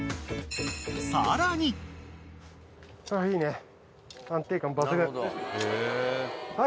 いいね。